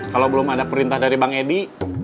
kalau belum ada perintah dari bang edi